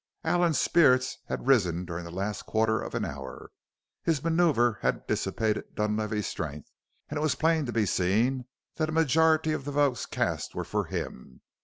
Allen's spirits had risen during the last quarter of an hour. His maneuver had dissipated Dunlavey's strength and it was plain to be seen that a majority of the votes cast were for him.